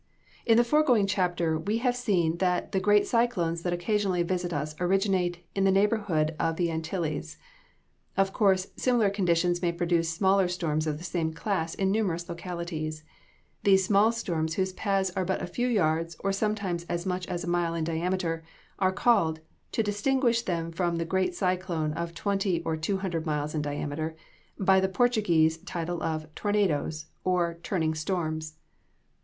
In the foregoing chapter we have seen that the great cyclones that occasionally visit us originate in the neighborhood of the Antilles. Of course, similar conditions may produce smaller storms of the same class in numerous localities. These small storms whose paths are but a few yards, or sometimes as much as a mile in diameter, are called, to distinguish them from the great cyclone of twenty to two hundred miles in diameter, by the Portuguese title of tornados, or "turning storms."